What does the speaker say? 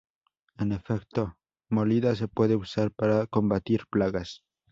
En efecto, molida se puede usar para combatir plagas.